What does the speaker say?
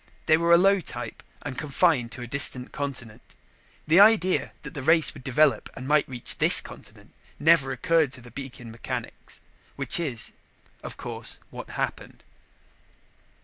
They were a low type and confined to a distant continent. The idea that the race would develop and might reach this continent never occurred to the beacon mechanics. Which is, of course, what happened.